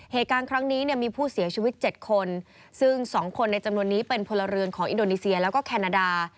เหตุการณ์ครั้งนี้เนี่ยมีผู้เสียชีวิต๗คนซึ่งสองคนในจำนวนนี้เป็นพลเรือนของอินโดนีเซียแล้วก็แคนาดา